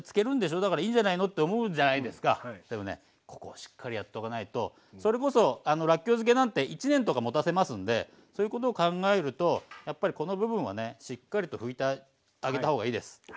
ここをしっかりやっとかないとそれこそらっきょう漬けなんて一年とかもたせますんでそういうことを考えるとやっぱりこの部分はねしっかりと拭いてあげた方がいいです。